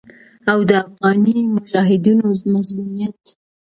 او د افغاني مجاهدينو مظلوميت